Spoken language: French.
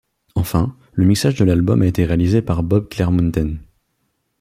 Enfin, le mixage de l'album a été réalisé par Bob Clearmountain.